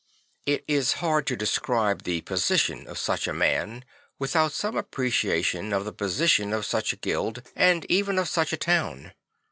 It is hard to describe the position of such a man without some appreciation of the position of such a guild and even of such a town.